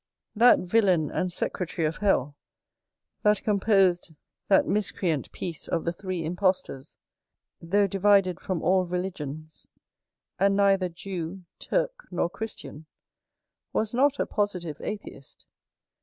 That villain and secretary of hell, that composed that miscreant piece of the three impostors, though divided from all religions, and neither Jew, Turk, nor Christian, was not a positive atheist.